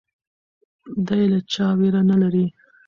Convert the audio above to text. دی له چا ویره نه لري.